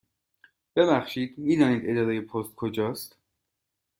ببخشید، می دانید اداره پست کجا است؟